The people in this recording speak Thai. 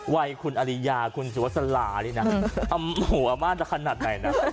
วัยคุณอลีหยาคุณสุษลาเอมหูอัมม่าจะขนาดไหนนะ